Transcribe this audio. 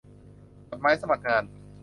จดหมายสมัครงาน